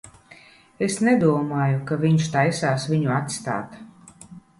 Es nedomāju, ka viņš taisās viņu atstāt.